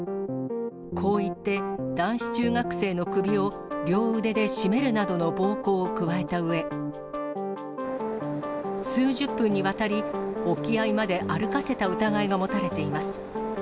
こう言って、男子中学生の首を両腕で絞めるなどの暴行を加えたうえ、数十分にわたり、沖合まで歩かせた疑いが持たれています。